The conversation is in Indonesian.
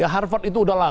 harvard itu udahlah